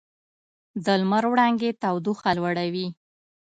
د لمر وړانګې تودوخه لوړوي.